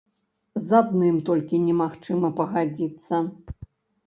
З адным толькі немагчыма пагадзіцца.